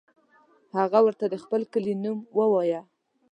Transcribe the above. هغه ورته د خپل کلي نوم ووایه.